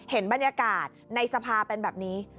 เห็นบรรยากาศในสภาเป็นแบบนี้